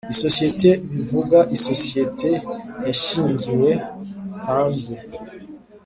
Isosiyete bivuga isosiyete yashingiwe hanze